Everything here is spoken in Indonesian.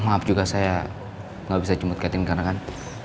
maaf juga saya gak bisa jemput catherine karena kan